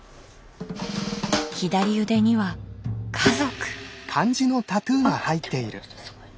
左腕には「家族」！